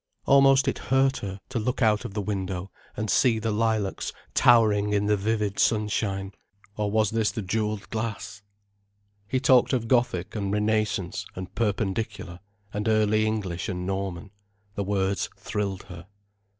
Almost it hurt her, to look out of the window and see the lilacs towering in the vivid sunshine. Or was this the jewelled glass? He talked of Gothic and Renaissance and Perpendicular, and Early English and Norman. The words thrilled her.